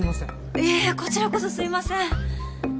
いえこちらこそすいません。